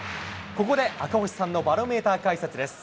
ここで赤星さんのバロメーター解説です。